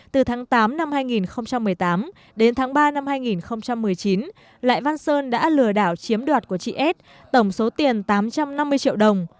từ tháng tám năm hai nghìn một mươi tám đến tháng ba năm hai nghìn một mươi chín lại văn sơn đã lừa đảo chiếm đoạt của chị s tổng số tiền tám trăm năm mươi triệu đồng